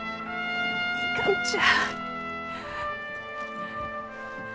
いかんちゃ。